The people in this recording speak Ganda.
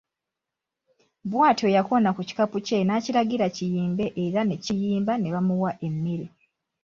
Bwatyo yakoona ku kikapu kye nakiragira kiyimbe era ne kiyimba ne bamuwa emmere.